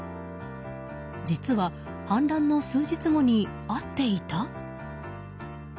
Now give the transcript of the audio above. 実は反乱の数日後に会っていた？